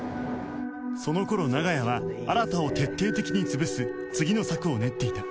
その頃長屋は新を徹底的に潰す次の策を練っていた